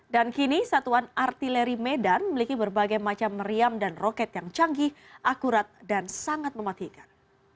dan kini satuan artileri medan memiliki berbagai macam meriam dan roket yang canggih akurat dan sangat mematikan